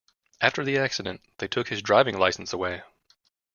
After the accident, they took his driving license away.